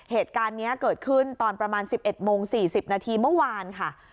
เหตุการณ์นี้เกิดขึ้นตอนประมาณ๑๑โมง๔๐นาทีเมื่อวานค่ะ